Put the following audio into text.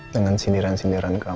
dengan siliran siliran kamu